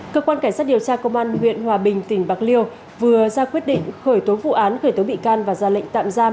cơ quan cảnh sát điều tra công an huyện hòa bình tỉnh bạc liêu vừa ra quyết định khởi tố vụ án khởi tố bị can và ra lệnh tạm giam